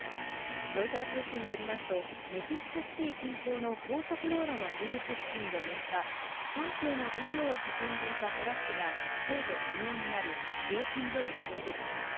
ロイター通信によりますとメキシコシティ近郊の高速道路の入り口付近で６日シャンプーの原料を運んでいたトラックが制御不能になり料金所に衝突しました。